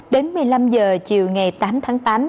đến một mươi năm h chiều ngày tám tháng tám